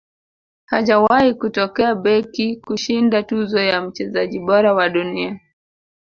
hajawahi kutokea beki kushinda tuzo ya mchezaji bora wa dunia